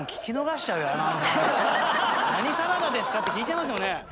「何サラダですか？」って聞いちゃいますよね。